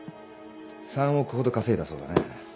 ３億ほど稼いだそうだね。